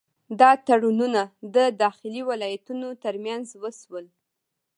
دا تړونونه د داخلي ولایتونو ترمنځ وشول.